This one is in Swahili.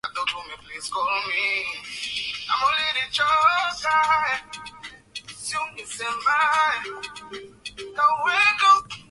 Mmasai mwanaharakati Agnes Pareiyo Ni hivi majuzi katika sehemu mbalimbali imebadilishwa na kukatwa kwa